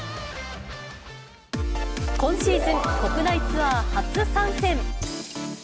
今シーズン、国内ツアー初参戦。